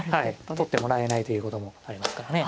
取ってもらえないということもありますからね。